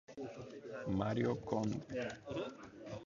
Mario Conde.